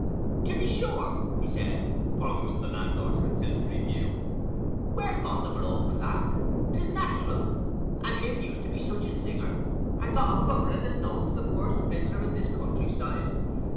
"To be sure," he said, following up the landlord's conciliatory view, "we're fond of our old clerk; it's nat'ral, and him used to be such a singer, and got a brother as is known for the first fiddler in this country side.